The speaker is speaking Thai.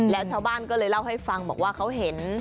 แล้วชาวบ้านก็เลยเล่าให้ฟังบอกว่าเขาเห็น